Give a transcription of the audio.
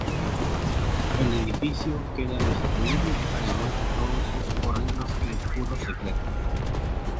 El edificio queda destruido al igual que todos sus horribles y oscuros secretos.